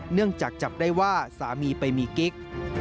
เนื่องจากจับได้ว่าสามีไปมีกิ๊ก